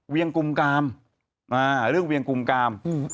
กลุ่มกามเรื่องเวียงกุมกาม